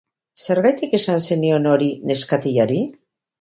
Zergatik esan zenion hori neskatilari?